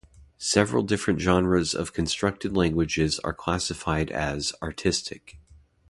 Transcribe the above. Several different genres of constructed languages are classified as 'artistic'.